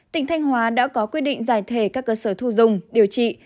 tỉnh thanh hóa đã có quy định giải thể các cơ sở thu dùng điều trị